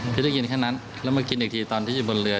พี่ได้ยินแค่นั้นแล้วมากินอีกทีตอนที่อยู่บนเรือ